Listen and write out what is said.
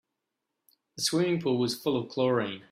The swimming pool was full of chlorine.